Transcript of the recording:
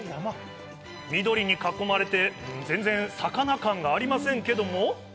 緑に囲まれて全然、魚感がありませんけれども。